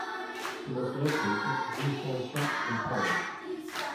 He was located Rue Saint Jacques, in Paris.